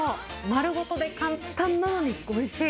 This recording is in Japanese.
丸ごとで簡単なのにおいしい。